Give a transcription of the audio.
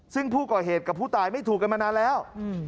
ซึ่งผู้ก่อเหตุกับผู้ตายไม่ถูกกันมานานแล้ว